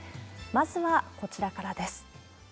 まずはこちらからです。